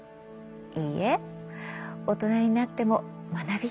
いいえ大人になっても学びたい！